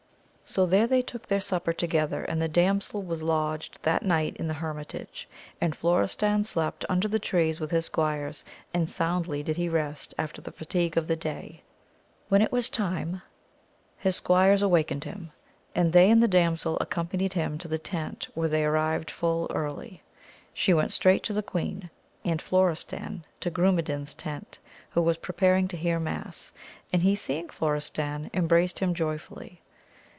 So there they took their supper together, and the damsel was lodged that night in the hermitage, and Florestan slept under the trees with his squires, and soundly did he rest after the £&tigue of the day. When it was time his squires 14 AM AVIS OF GAUL. awakened him, and they and the damsel accompanied him to the tent where they arrived full early. She went straight to the queen, and Florestan to Gru medan's tent, who was preparing to hear mass, and he seeing Florestan embraced him joyfully.